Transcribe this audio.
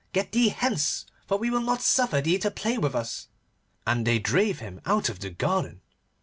Get thee hence, for we will not suffer thee to play with us,' and they drave him out of the garden.